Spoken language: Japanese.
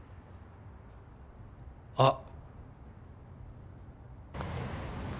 あっ。